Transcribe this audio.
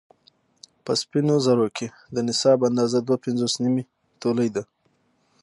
په سپينو زرو کې د نصاب اندازه دوه پنځوس نيمې تولې ده